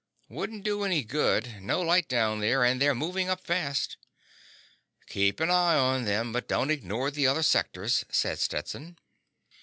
"Wouldn't do any good. No light down there, and they're moving up fast." "Keep an eye on them, but don't ignore the other sectors," said Stetson.